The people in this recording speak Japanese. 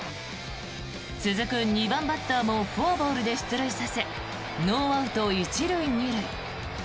続く２番バッターもフォアボールで出塁させノーアウト１塁２塁。